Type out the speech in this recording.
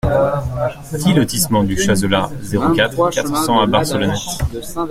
dix lotissement du Chazelas, zéro quatre, quatre cents à Barcelonnette